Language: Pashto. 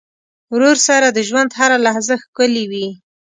ورور سره د ژوند هره لحظه ښکلي وي.